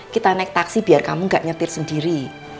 kita naik taksi biar kamu gak nyetir sendiri